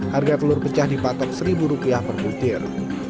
harga telur pecah dipatok rp satu per butir